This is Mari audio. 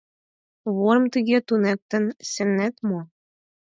Ворым тыге туныктен сеҥет мо?